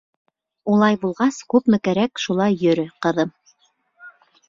Улай булғас, күпме кәрәк, шулай йөрө, ҡыҙым.